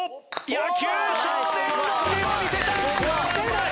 野球少年の腕を見せた！